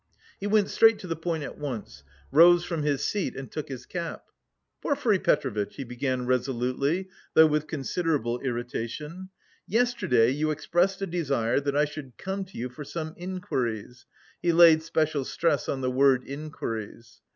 He went straight to the point at once, rose from his seat and took his cap. "Porfiry Petrovitch," he began resolutely, though with considerable irritation, "yesterday you expressed a desire that I should come to you for some inquiries" (he laid special stress on the word "inquiries").